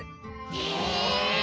へえ。